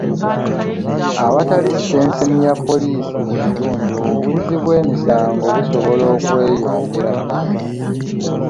Awatali sitenseni ya poliisi mu kitundu, obuzzi bw'emisango busobola okweyongera.